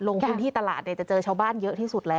ลงพื้นที่ตลาดจะเจอชาวบ้านเยอะที่สุดแล้ว